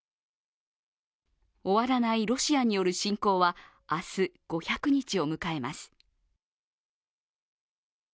終わらないロシアによる侵攻は明日、５００日を迎えます。